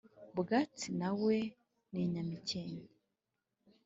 bwatsi na we ni nyamikenke